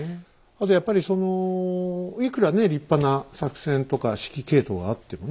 あとやっぱりいくら立派な作戦とか指揮系統があってもね